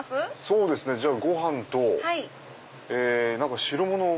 そうですねじゃあご飯と何か汁物を。